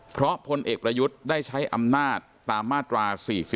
เพราะพลเอกประยุทธ์ได้ใช้อำนาจตามมาตรา๔๔